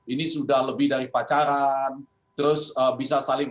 ini sudah lebih dari pacaran terus bisa saling